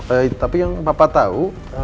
eh tapi yang bapak tahu